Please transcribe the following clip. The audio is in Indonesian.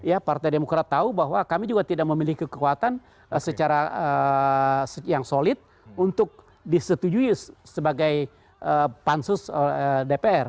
ya partai demokrat tahu bahwa kami juga tidak memiliki kekuatan secara yang solid untuk disetujui sebagai pansus dpr